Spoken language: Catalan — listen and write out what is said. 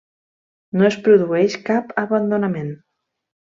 No es produeix cap abandonament.